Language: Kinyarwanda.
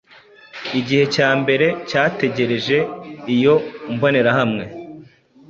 Igihe cyambere cyategereje, iyo mbonerahamwe